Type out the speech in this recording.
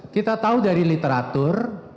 kita tahu dari literatur